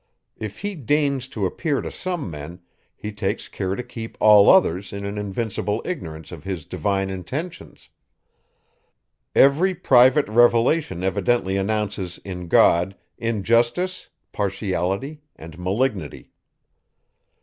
If he deigns to appear to some men, he takes care to keep all others in an invincible ignorance of his divine intentions. Every private revelation evidently announces in God, injustice, partiality and malignity.